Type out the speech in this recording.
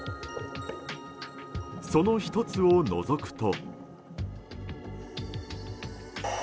その１つをのぞくと。